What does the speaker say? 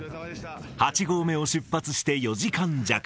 八合目を出発して４時間弱。